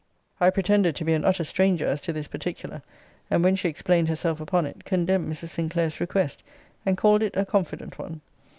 I pretended to be an utter stranger as to this particular; and, when she explained herself upon it, condemned Mrs. Sinclair's request, and called it a confident one.